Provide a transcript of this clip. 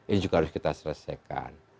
ini juga harus kita selesaikan